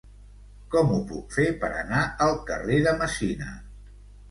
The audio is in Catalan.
Com ho puc fer per anar al carrer de Messina?